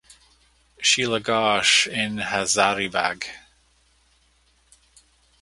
Sheila Ghosh in Hazaribagh.